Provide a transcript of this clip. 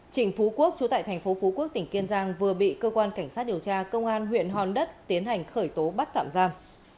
trịnh phú quốc chú tại thành phố phú quốc tỉnh kiên giang vừa bị cơ quan cảnh sát điều tra công an huyện hòn đất tiến hành khởi tố bắt tạm giam